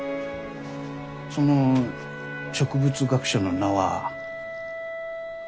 その植物学者の名は？